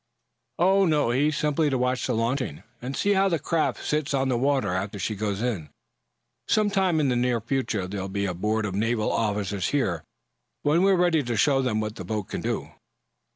"Oh, no. He's simply to watch the launching, and see how the craft sits on the water after she goes in. Some time in the near future there'll be a board of naval officers here, when we're ready to show them what the boat can do."